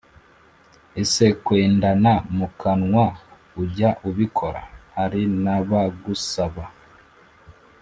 Ese kwendana mu kanwa ujya ubikora Hari nabagusaba